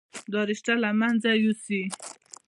دا رشته له منځه يوسه.